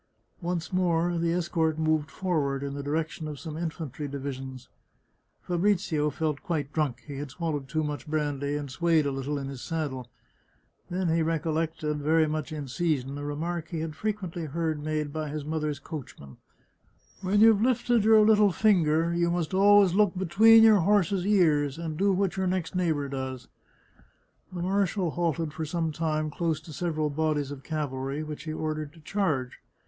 Once more the escort moved forward, in the direction of some infantry divisions. Fabrizio felt quite drunk ; he had swallowed too much brandy, and swayed a little in his sad dle. Then he recollected, very much in season, a remark he had frequently heard made by his mother's coachman: " When you've lifted your little finger you must always look between your horse's ears, and do what your next 47 The Chartreuse of Parma neighbour does." The marshal halted for some time close to several bodies of cavalry, which he ordered to charge.